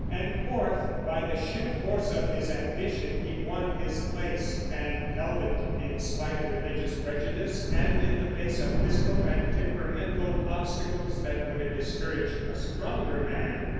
And fourth, by the sheer force of his ambition he won his place, and held it, in spite of religious prejudice, and in the face of physical and temperamental obstacles that would have discouraged a stronger man.